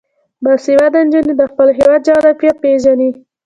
باسواده نجونې د خپل هیواد جغرافیه پیژني.